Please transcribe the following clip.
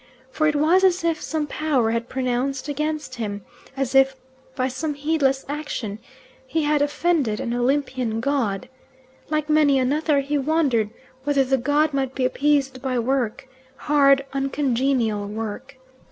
For it was as if some power had pronounced against him as if, by some heedless action, he had offended an Olympian god. Like many another, he wondered whether the god might be appeased by work hard uncongenial work.